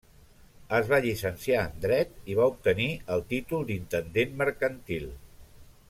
Es va llicenciar en Dret i va obtenir el títol d'intendent mercantil.